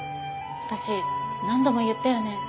私何度も言ったよね。